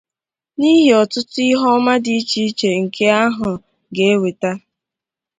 n'ihi ọtụtụ ihe ọma dị iche iche nke ahụ ga-eweta